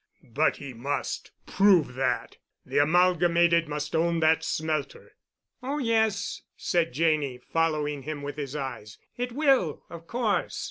"But he must prove that. The Amalgamated must own that smelter." "Oh, yes," said Janney, following him with his eyes. "It will, of course.